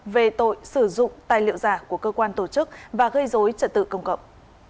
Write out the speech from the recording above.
về tội sử dụng tài liệu giả của cơ quan tổ chức và gây dối trật tự công cộng